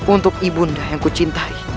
untuk ibunda yang ku cintai